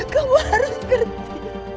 kamu harus ngerti